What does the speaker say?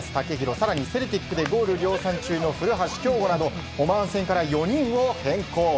更にセルティックでゴール量産中の古橋亨梧など、オマーン戦から４人を変更。